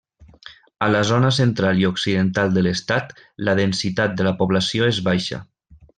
A la zona central i occidental de l'estat la densitat de la població és baixa.